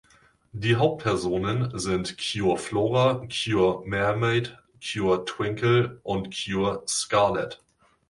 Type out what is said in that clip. Die Hauptpersonen sind "Cure Flora", "Cure Mermaid", "Cure Twinkle" und "Cure Scarlet".